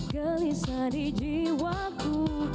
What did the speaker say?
gelisah di jiwaku